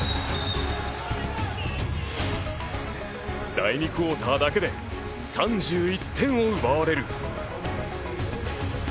第２クオーターだけで３１点を奪われる。